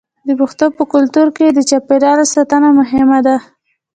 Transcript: د پښتنو په کلتور کې د چاپیریال ساتنه مهمه ده.